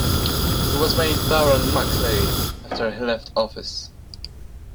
He was made Baron Maclay after he left office.